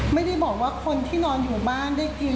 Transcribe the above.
ไม่ได้บอกว่าคนที่นอนอยู่บ้านได้กิน